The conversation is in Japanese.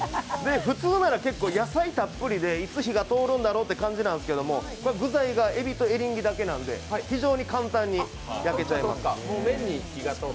普通なら結構野菜たっぷりで、いつ火が通るんだろうという感じなんですけど、具材がエビとエリンギだけなんで非常に簡単に焼けちゃいます。